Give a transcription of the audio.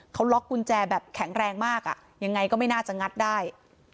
เขาล็อกกุญแจแบบแข็งแรงมากอ่ะยังไงก็ไม่น่าจะงัดได้